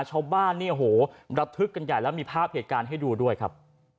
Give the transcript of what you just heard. ชาวบ้านเนี่ยโหระทึกกันใหญ่แล้วมีภาพเหตุการณ์ให้ดูด้วยครับ